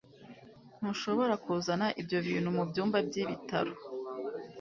Ntushobora kuzana ibyo bintu mubyumba byibitaro.